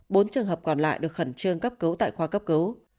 bốn trường hợp còn lại được khẩn trương cấp cứu tại khoa cấp cứu